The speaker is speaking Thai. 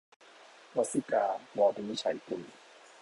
วัสสิกา - ว วินิจฉัยกุล